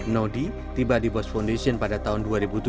nodi tiba di bos foundation pada tahun dua ribu tujuh